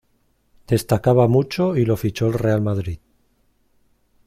Destacaba mucho y lo fichó el Real Madrid.